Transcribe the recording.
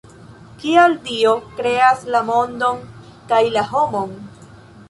Kial Dio kreas la mondon kaj la homon?